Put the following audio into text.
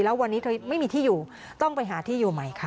แล้ววันนี้เธอไม่มีที่อยู่ต้องไปหาที่อยู่ใหม่ค่ะ